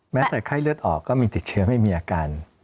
แม้แต่ไข้เลือดออกก็มีติดเชื้อไม่มีอาการ